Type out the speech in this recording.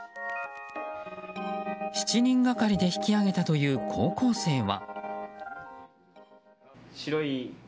７人がかりで引き上げたという高校生は。